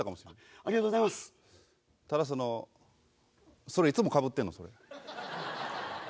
ただそのそれいつもかぶってんの？